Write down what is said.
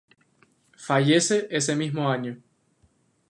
Fallece ese mismo año.